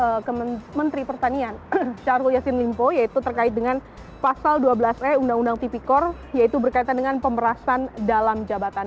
nah ini adalah pasal yang dikaitkan oleh menteri pertanian syahrul yassin limpo yaitu terkait dengan pasal dua belas e undang undang tipikor yaitu berkaitan dengan pemberasan dalam jabatan